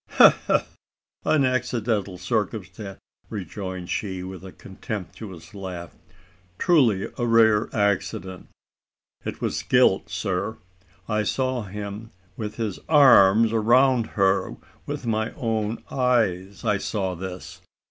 "Ha! ha! ha! An accidental circumstance!" rejoined she, with a contemptuous laugh; "truly a rare accident! It was guilt, sir. I saw him with his arms around her with my own eyes I saw this.